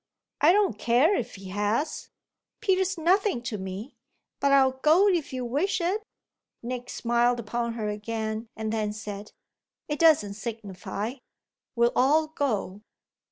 "I don't care if he has. Peter's nothing to me. But I'll go if you wish it." Nick smiled upon her again and then said: "It doesn't signify. We'll all go."